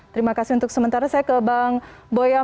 terimakasih untuk sementara saya ke